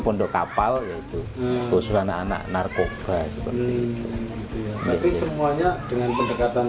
pondok kapal yaitu khusus anak anak narkoba seperti itu tapi semuanya dengan pendekatan